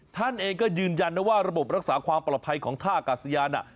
ท่านเองก็ยืนยันนะว่าระบบรักษาความปลอดภัยของท่ากาศยาน